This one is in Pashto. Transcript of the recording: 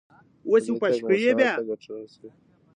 پلی تګ مو صحت ته ګټه رسوي.